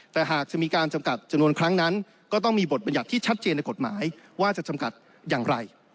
แต่หากจะมีการจำกัดจำนวนครั้งนั้นก็ต้องมีบทบรรยัติที่ชัดเจนในกฎหมายว่าจะจำกัดอย่างไร